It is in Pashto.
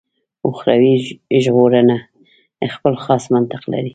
اخروي ژغورنه خپل خاص منطق لري.